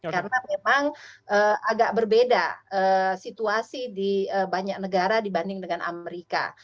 karena memang agak berbeda situasi di banyak negara dibanding dengan amerika